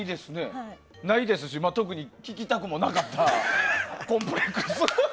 ないですし特に聞きたくもなかったコンプレックスというか。